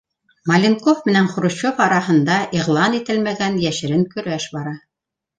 Маленков менән Хрущев араһында иғлан ителмәгән йәшерен көрәш бара.